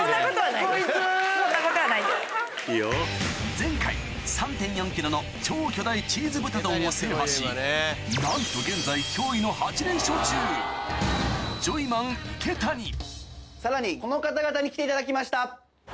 前回３．４ｋｇの超巨大チーズ豚丼を制覇しなんと現在驚異の８連勝中ジョイマン・池谷さらにこの方々に来ていただきました。